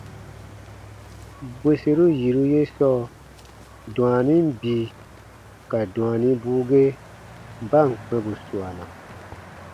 Bwerseru yiru ye sɔɔ, dwaanin bii ka dwaanibuu ge ba ǹ kpɛ̃ bù suana,